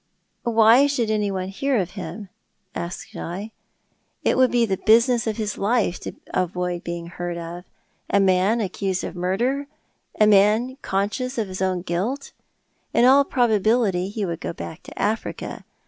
" Why should anyone hear of him ?" asked I. " It would be the business of his life to avoid being heard of. A man accused of murder — a man conscious of his own guilt ! In all pvooability he would go back to Africa.